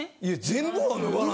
全部は脱がない。